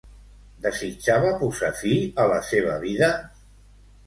Desitjava posar fi a la seva vida?